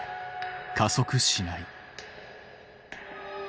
加速しない。